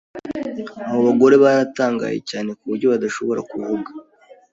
Abo bagore baratangaye cyane kuburyo badashobora kuvuga.